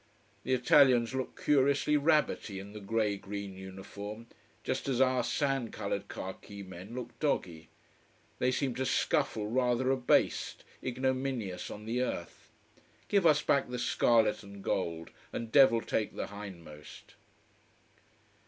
The Italians look curiously rabbity in the grey green uniform: just as our sand colored khaki men look doggy. They seem to scuffle rather abased, ignominious on the earth. Give us back the scarlet and gold, and devil take the hindmost.